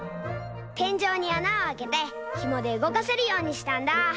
てんじょうにあなをあけてひもでうごかせるようにしたんだ。